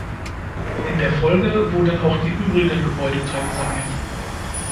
In der Folge wurden auch die übrigen Gebäudeteile saniert.